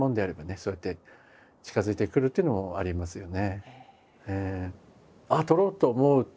そうやって近づいてくるというのもありますよね。